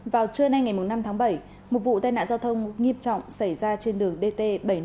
vào trưa nay ngày năm tháng bảy một vụ tai nạn giao thông nghiêm trọng xảy ra trên đường dt bảy trăm năm mươi